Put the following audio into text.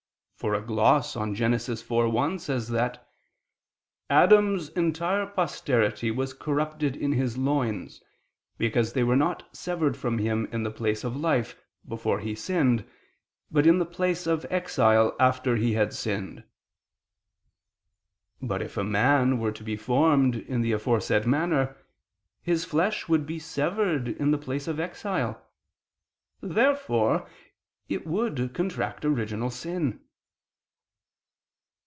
For a gloss on Gen. 4:1 says that "Adam's entire posterity was corrupted in his loins, because they were not severed from him in the place of life, before he sinned, but in the place of exile after he had sinned." But if a man were to be formed in the aforesaid manner, his flesh would be severed in the place of exile. Therefore it would contract original sin.